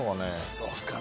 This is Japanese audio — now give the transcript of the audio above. どうですかね。